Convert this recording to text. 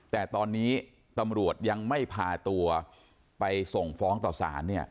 แต่ตอนนี้ตำรวจยังไม่พาตัวไปส่งฟ้องต่อสารเนี่ย